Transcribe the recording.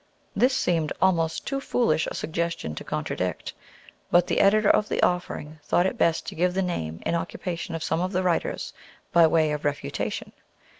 This seemed almost too foolish a suggestion to contradict, but the editor of the "Offering" thought it best to give the name and occupation of some of the writers by way of refutation.